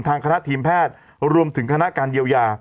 คณะทีมแพทย์รวมถึงคณะการเยียวยา